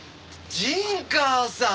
陣川さん！